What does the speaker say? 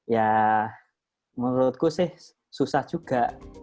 ya menurutku sih susah juga